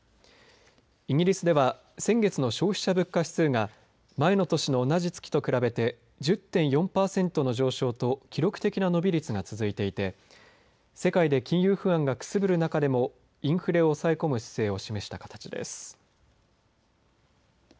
イギリスでは、先月の消費者物価指数が、前の年の同じ月と比べて、１０．４％の上昇と、記録的な伸び率が続いていて、世界で金融不安がくすぶる中でも、インフレを抑え込む姿勢を示した形です。